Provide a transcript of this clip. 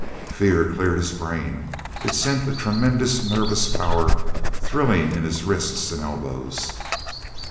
Fear cleared his brain; it sent a tremendous nervous power thrilling in his wrists and elbows.